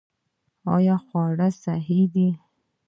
آیا خواړه صحي دي؟